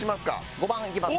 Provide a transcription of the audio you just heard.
５番いきます。